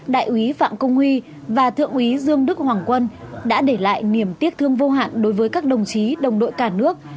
đại úy phạm công huy và thượng úy dương đức hoàng quân đã để lại niềm tiếc thương vô hạn đối với các đồng chí đồng đội cả nước